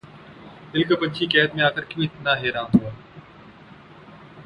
دل کا پنچھی قید میں آ کر کیوں اتنا حیران ہوا